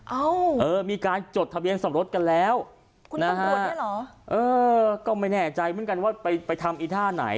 เอ้าเออมีการจดทะเบียนสมรสกันแล้วคุณตำรวจเนี่ยเหรอเออก็ไม่แน่ใจเหมือนกันว่าไปไปทำอีท่าไหน